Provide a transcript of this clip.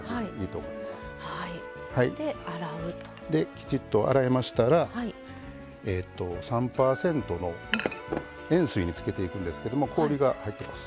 きちっと洗えましたら３％の塩水につけていくんですけども氷が入っています。